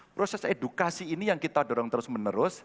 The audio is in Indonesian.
proses edukasi ini yang kita dorong terus menerus